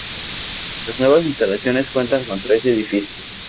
Las nuevas instalaciones cuentan con tres edificios.